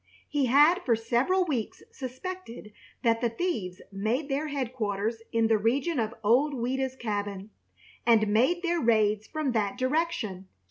He had for several weeks suspected that the thieves made their headquarters in the region of Old Ouida's Cabin, and made their raids from that direction.